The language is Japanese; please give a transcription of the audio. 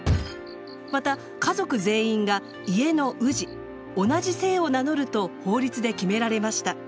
また家族全員が家の氏同じ姓を名乗ると法律で決められました。